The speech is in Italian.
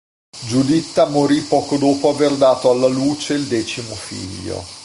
Giuditta morì poco dopo aver dato alla luce il decimo figlio.